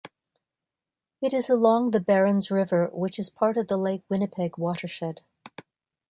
It is along the Berens River, which is part of the Lake Winnipeg watershed.